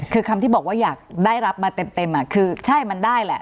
คือคำที่บอกว่าอยากได้รับมาเต็มคือใช่มันได้แหละ